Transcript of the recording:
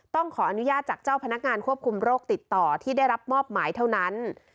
ต้องขออนุญาตจากเจ้าพนักงานควบคุมโรคติดต่อที่ได้รับมอบหมายเท่านั้น